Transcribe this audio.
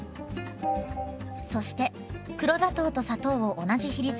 そして黒砂糖と砂糖を同じ比率で加えます。